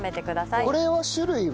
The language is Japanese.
これは種類は？